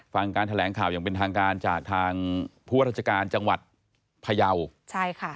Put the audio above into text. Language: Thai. ฟังการแถลงข่าวอย่างเป็นทางการจากทางผู้ราชการจังหวัดพยาวใช่ค่ะ